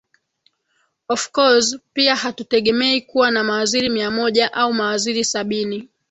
of course pia hatutegemei kuwa na mawaziri mia moja au mawaziri sabini